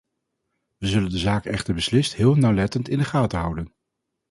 We zullen de zaak echter beslist heel nauwlettend in de gaten houden.